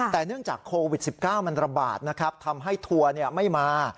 แต่เนื่องจากโควิด๑๙มันระบาดนะครับทำให้ทัวร์ไม่มา